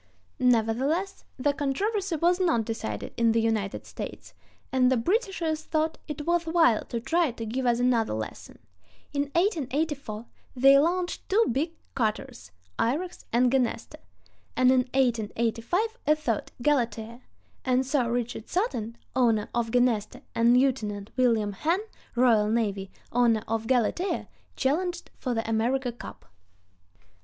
Nevertheless, the controversy was not decided in the United States, and the Britishers thought it worth while to try to give us another lesson. In 1884 they launched two big cutters, Irex and Genesta, and in 1885 a third, Galatea; and Sir Richard Sutton, owner of Genesta, and Lieutenant William Henn, R. N., owner of Galatea, challenged for the America Cup.